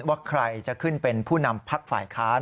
ว่าใครจะขึ้นเป็นผู้นำพักฝ่ายค้าน